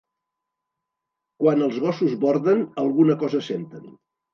Quan els gossos borden alguna cosa senten